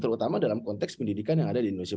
terutama dalam konteks pendidikan yang ada di indonesia